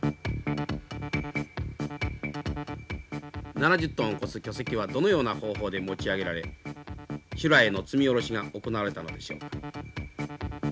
７０トンを超す巨石はどのような方法で持ち上げられ修羅への積み降ろしが行われたのでしょう。